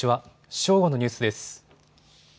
正午のニュースです。